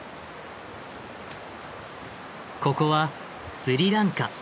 ここはスリランカ。